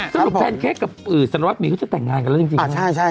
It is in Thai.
สรุปแพนเค้กกับสารวัดหมีก็จะแต่งงานกันแล้วจริงครับ